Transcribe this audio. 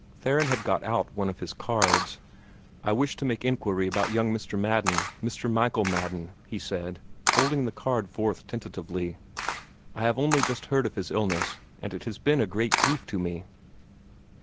Theron had got out one of his cards. "I wish to make inquiry about young Mr. Madden Mr. Michael Madden," he said, holding the card forth tentatively. "I have only just heard of his illness, and it has been a great grief to me."